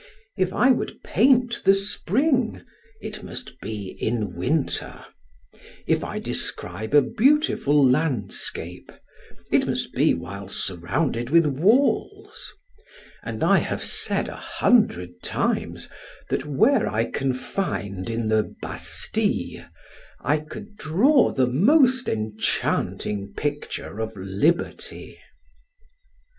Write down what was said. If I would paint the spring, it must be in winter; if describe a beautiful landscape, it must be while surrounded with walls; and I have said a hundred times, that were I confined in the Bastile, I could draw the most enchanting picture of liberty.